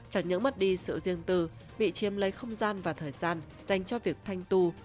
chẳng những mất đi sự riêng tư bị chiêm lấy không gian và thời gian dành cho việc thanh tù